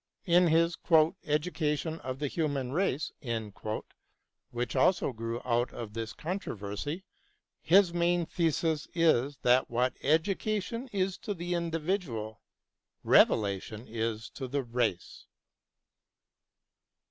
In his " Education of the Human Race," which also grew out of this controversy, his main thesis is that what education is to the individual, revelation is to the race.